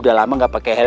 udah lama gak pake helm